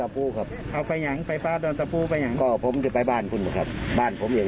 พอเช้ามาโทรหาแล้วไม่รับสายเนี่ยฮะ